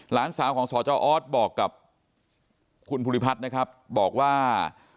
หลานสาวของสจออสบอกกับคุณภูริพัฒน์นะครับบอกว่า